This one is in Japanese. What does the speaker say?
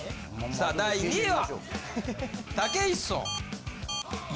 さあ第２位は！